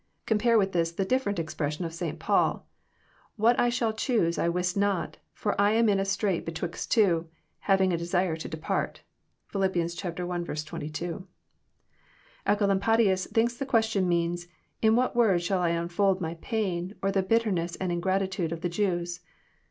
Compare with this the different expression of St. Paul, * What I shall choose I wist not, for I am in a strait betwixt two, having a desire to depart.* (Phil. i. 22.) Ecolampadius thinks the question means, *<In what words shall I unfold my pain, or the bitterness and ingratitude of the Jews?